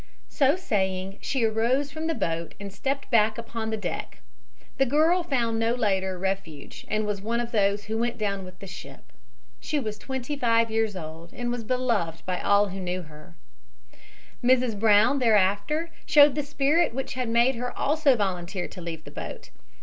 So saying she arose from the boat and stepped back upon the deck. The girl found no later refuge and was one of those who went down with the ship. She was twenty five years old and was beloved by all who knew her. Mrs. Brown thereafter showed the spirit which had made her also volunteer to leave the boat.